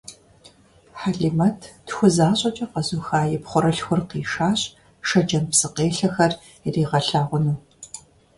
Хьэлимэт «тху» защӀэкӀэ къэзыуха и пхъурылъхур къишащ, Шэджэм псыкъелъэхэр иригъэлъагъуну.